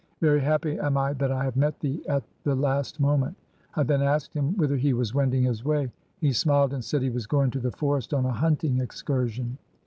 Very happy am I that I have met thee at the last moment." I then asked him whither he was wending his way. He smiled and said he was going to the forest on a hunting excursion.